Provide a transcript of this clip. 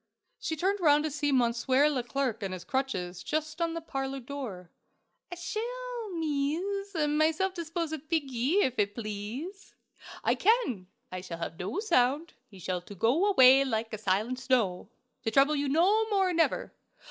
She turned round to see Monsieur Leclerc on his crutches, just in the parlor door. "I shall, mees, myself dispose of piggie, if it please. I can. I shall have no sound; he shall to go away like a silent snow, to trouble you no more, never!"